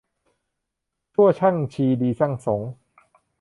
ชั่วช่างชี ดีช่างสงฆ์